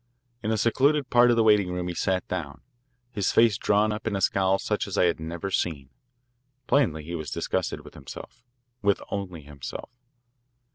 In a secluded part of the waiting room he sat down, his face drawn up in a scowl such as I had never seen. Plainly he was disgusted with himself with only himself.